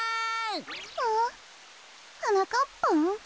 はなかっぱん？